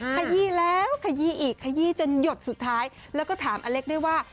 ขยี้แล้วขยี้อีกขยี้จนหยดสุดท้ายแล้วก็ถามอเล็กด้วยว่า